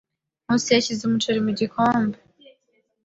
Nkusi yashyize umuceri mu gikombe.